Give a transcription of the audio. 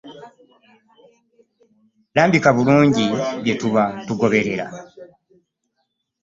Lambika bulungi bye tuba tugoberera.